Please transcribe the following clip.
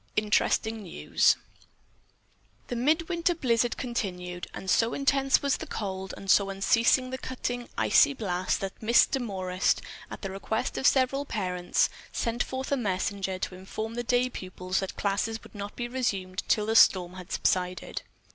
INTERESTING NEWS The midwinter blizzard continued, and so intense was the cold and so unceasing the cutting, icy blast that Miss Demorest, at the request of several parents, sent forth a messenger to inform the day pupils that classes would not be resumed until the storm had subsided.